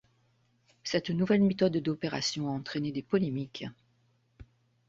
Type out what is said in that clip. Cette nouvelle méthode d'opération a entraîné des polémiques.